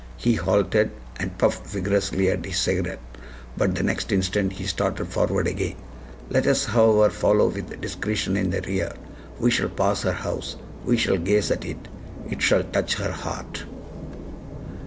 He halted, and puffed vigorously at his cigarette; but the next instant he started forward again. "Let us, however, follow with discretion in the rear; we shall pass her house; we shall gaze at it; it shall touch her heart."